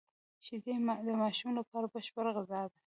شیدې د ماشوم لپاره بشپړه غذا ده